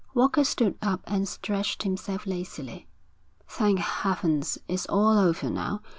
Walker stood up and stretched himself lazily. 'Thank heavens, it's all over now.